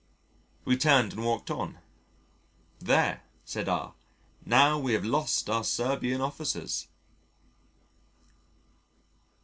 We turned and walked on. "There," said R , "now we have lost our Serbian Officers."